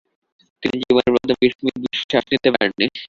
তিনি জীবনের প্রথম বিশ মিনিট শ্বাস নিতে পারেন নি।